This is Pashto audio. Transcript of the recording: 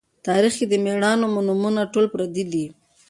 تاریخ کښې د مــړانو مـو نومــونه ټول پردي دي